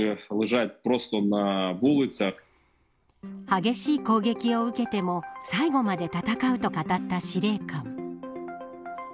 激しい攻撃を受けても最後まで戦うと語った司令官。